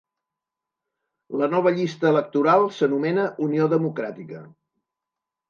La nova llista electoral s'anomena Unió Democràtica.